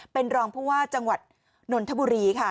เป็นรองผู้ว่าจังหวัดนนทบุรีค่ะ